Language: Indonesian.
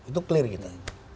itu clear kita